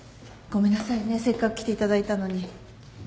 ごめんなさいねせっかく来ていただいたのに。